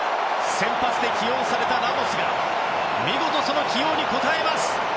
先発で起用されたラモスが見事にその起用に応えます！